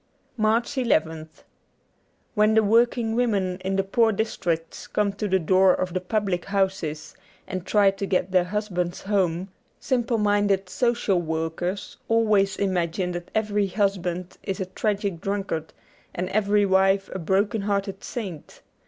76 MARCH nth WHEN the working women in the poor districts come to the doors of the public houses and try to get their husbands home, simple minded * social workers ' always imagine that every husband is a tragic drunkard and every vnie a broken hearted saint.